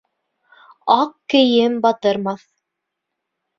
Аҡ кейем батырмаҫ.